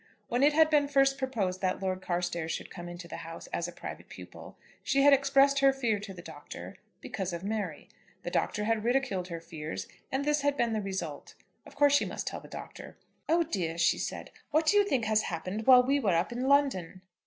When it had been first proposed that Lord Carstairs should come into the house as a private pupil she had expressed her fear to the Doctor, because of Mary. The Doctor had ridiculed her fears, and this had been the result. Of course she must tell the Doctor. "Oh, dear," she said, "what do you think has happened while we were up in London?"